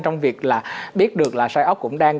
trong việc là biết được là sioc cũng đang